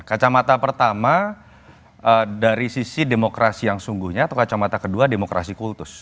kacamata pertama dari sisi demokrasi yang sungguhnya atau kacamata kedua demokrasi kultus